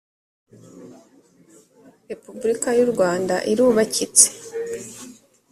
repubulika y’ u rwanda irubakitse.